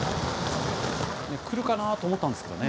来るかなと思ったんですけどね。